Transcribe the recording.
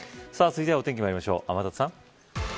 続いては、お天気まりましょう天達さん。